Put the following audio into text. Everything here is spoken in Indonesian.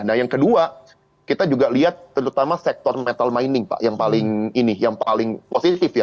nah yang kedua kita juga lihat terutama sektor metal mining yang paling positif ya